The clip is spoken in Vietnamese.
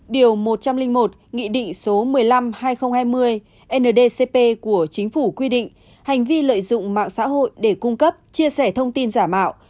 điều một trăm linh một nghị định số một mươi năm hai nghìn hai mươi ndcp của chính phủ quy định hành vi lợi dụng mạng xã hội để cung cấp chia sẻ thông tin giả mạo